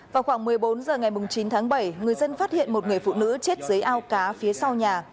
vào khoảng một mươi bốn h ngày chín tháng bảy người dân phát hiện một người phụ nữ chết dưới ao cá phía sau nhà